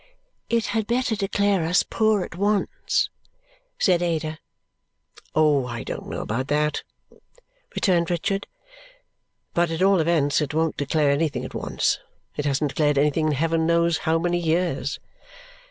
"It had better declare us poor at once," said Ada. "Oh! I don't know about that," returned Richard, "but at all events, it won't declare anything at once. It hasn't declared anything in heaven knows how many years."